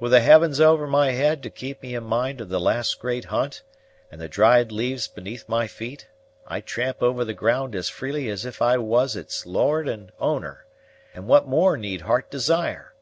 With the heavens over my head to keep me in mind of the last great hunt, and the dried leaves beneath my feet, I tramp over the ground as freely as if I was its lord and owner; and what more need heart desire?